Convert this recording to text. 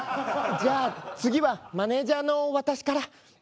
じゃあ次はマネージャーの私から。